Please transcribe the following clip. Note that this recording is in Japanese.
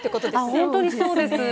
本当にそうです。